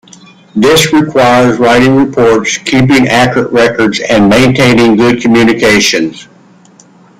This requires writing reports, keeping accurate records, and maintaining good communication.